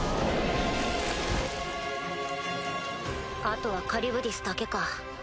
あとはカリュブディスだけか。